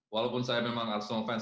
walaupun saya memang arsenal fans